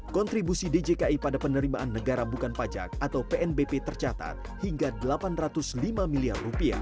kontribusi djki pada penerimaan negara bukan pajak atau pnbp tercatat hingga rp delapan ratus lima miliar